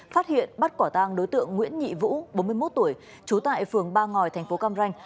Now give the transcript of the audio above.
phát hiện bắt quả tang đối tượng nguyễn nhị vũ bốn mươi một tuổi trú tại phường ba ngòi thành phố cam ranh